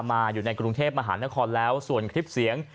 อยู่ในกรุงเทพมหานครแล้วส่วนคลิปเสียง